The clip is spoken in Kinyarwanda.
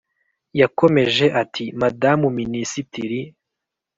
Yakomeje ati Madamu Minisitiri